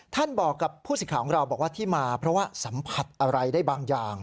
บอกกับผู้สิทธิ์ของเราบอกว่าที่มาเพราะว่าสัมผัสอะไรได้บางอย่าง